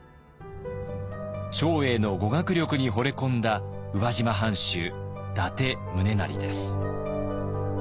長英の語学力にほれ込んだ宇和島藩主伊達宗城です。